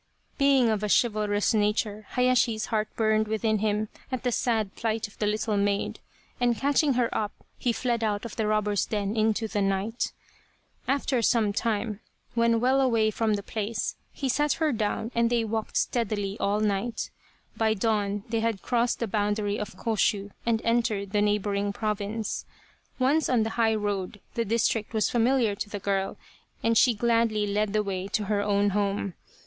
Being of a chivalrous nature Hayashi's heart burned within him at the sad plight of the little maid, and catching her up he fled out of the robber's den into the night. After some time, when well away from the place, he set her down and they walked steadily all night. By dawn they had crossed the boundary of Koshu and entered the neighbouring province. Once on the high road the district was familiar to the girl and she gladly led the way to her own home.